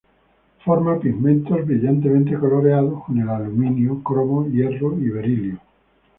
Forma pigmentos brillantemente coloreados con el aluminio, cromo, hierro y berilio.